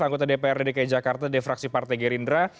anggota dprd dki jakarta defraksi partai gerindra